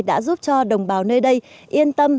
đã giúp cho đồng bào nơi đây yên tâm